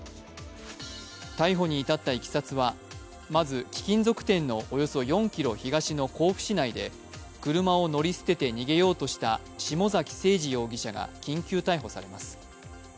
逮捕に至ったいきさつはまず貴金属店のおよそ４ｋｍ東の甲府市内で車を乗り捨てて逃げようとした下崎星児容疑者が緊急逮捕されます。